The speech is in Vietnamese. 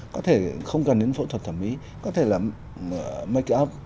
có thể không cần đến phẫu thuật thẩm mỹ có thể là maci up